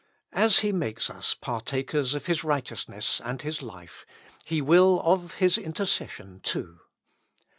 As He makes us partakers of His righteousness and His life, He will of His inter cession, too.